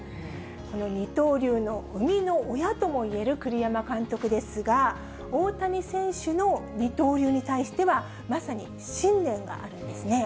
この二刀流の生みの親ともいえる栗山監督ですが、大谷選手の二刀流に対しては、まさに信念があるんですね。